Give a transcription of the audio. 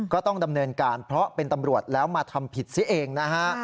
ก็ต้องดำเนินการเพราะเป็นตำรวจแล้วมาทำผิดซิเองนะฮะ